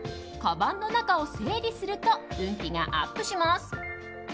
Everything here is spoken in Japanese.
かばんの中を整理すると運気がアップします。